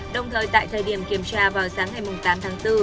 đồng thời tại thời điểm kiểm tra vào sáng ngày tám tháng bốn